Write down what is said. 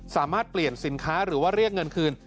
สามารถเปลี่ยนสินค้าหรือว่าเรียกเงินคืน